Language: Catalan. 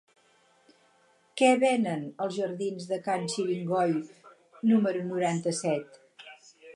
Què venen als jardins de Can Xiringoi número noranta-set?